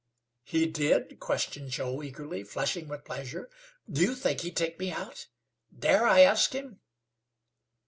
"He did?" questioned Joe, eagerly, flushing with pleasure. "Do you think he'd take me out? Dare I ask him?"